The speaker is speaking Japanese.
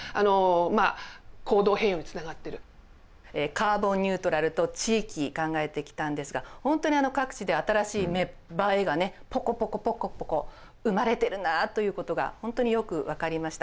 カーボンニュートラルと地域考えてきたんですが本当に各地で新しい芽生えがねポコポコポコポコ生まれてるなということが本当によく分かりました。